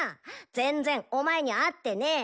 全然お前に合ってねぇ。